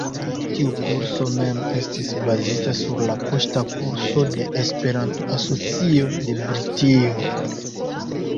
Tiu kurso mem estis bazita sur la poŝta kurso de Esperanto-Asocio de Britio.